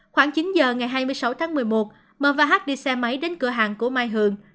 khoảng chín giờ ngày hai mươi sáu tháng một mươi một m và hát đi xe máy đến cửa hàng của mai hường